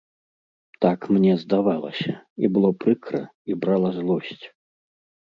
Так мне здавалася, і было прыкра, і брала злосць.